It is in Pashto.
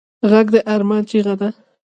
غږ د ارمان چیغه ده